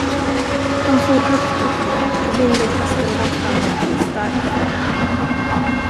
De for högt uppe, och vinden kastade dem framåt med stark fart.